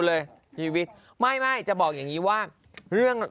เลยชีวิตไม่ไม่จะบอกอย่างนี้ว่าเรื่อง